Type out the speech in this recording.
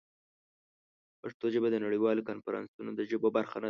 پښتو ژبه د نړیوالو کنفرانسونو د ژبو برخه نه ده.